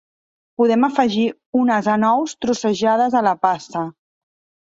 Podem afegir unes anous trossejades a la pasta.